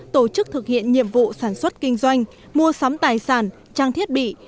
tổ chức thực hiện nhiệm vụ sản xuất kinh doanh mua sắm tài sản trang thiết bị